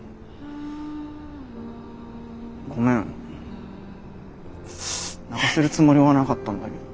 ごめん泣かせるつもりはなかったんだけど。